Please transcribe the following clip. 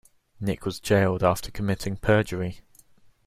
Nick was jailed after committing perjury